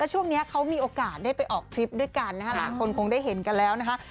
ช่วงนี้เขามีโอกาสได้ไปออกทริปด้วยกันนะคะหลายคนคงได้เห็นกันแล้วนะคะ